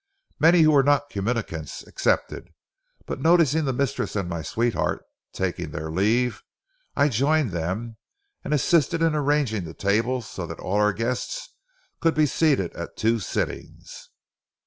Many who were not communicants accepted, but noticing the mistress and my sweetheart taking their leave, I joined them and assisted in arranging the tables so that all our guests could be seated at two sittings.